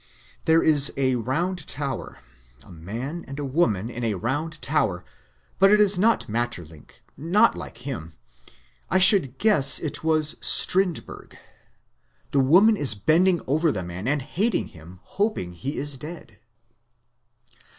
... There is a round tower, a man and woman in a round tower: but it is not Maeterlinck. Not like him. I should guess it was Strindberg. The woman is bending over the man and hating him, hoping he is dead."